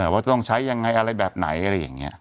ว่าจะต้องใช้ยังไงอะไรแบบไหน